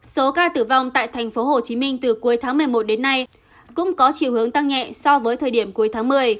số ca tử vong tại tp hcm từ cuối tháng một mươi một đến nay cũng có chiều hướng tăng nhẹ so với thời điểm cuối tháng một mươi